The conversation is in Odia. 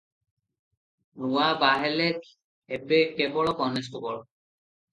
ନୂଆ ବାହେଲ ହେବେ କେବଳ କନେଷ୍ଟବଳ ।